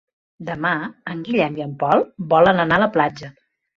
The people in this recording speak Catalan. Demà en Guillem i en Pol volen anar a la platja.